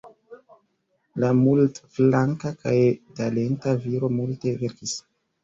La multflanka kaj talenta viro multe verkis.